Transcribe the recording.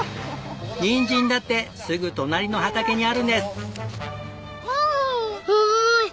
ニンジンだってすぐ隣の畑にあるんです。